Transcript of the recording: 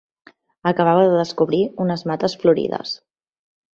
Acabava de descobrir unes mates florides